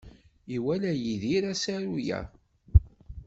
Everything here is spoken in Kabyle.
Iwala Yidir asaru-a?